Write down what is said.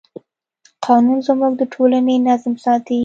قانون زموږ د ټولنې نظم ساتي.